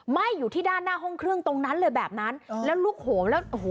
ไหม้อยู่ที่ด้านหน้าห้องเครื่องตรงนั้นเลยแบบนั้นแล้วลุกโหมแล้วโอ้โห